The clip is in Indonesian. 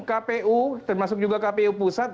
kpu termasuk juga kpu pusat